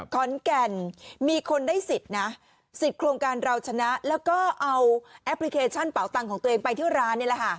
ขอนแก่นมีคนได้สิทธิ์นะสิทธิ์โครงการเราชนะแล้วก็เอาแอปพลิเคชันเป่าตังค์ของตัวเองไปที่ร้านนี่แหละค่ะ